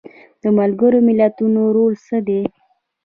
د ملګرو ملتونو رول څه دی؟